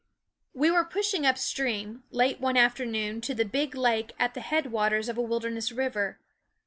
We were pushing upstream, late one ; afternoon, to the big lake at the head waters of a wilderness river.